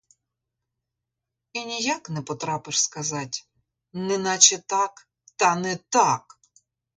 І ніяк не потрапиш сказать: неначе так, та не так!